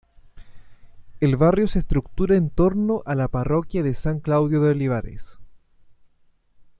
El barrio se estructura en torno a la parroquia de San Claudio de Olivares.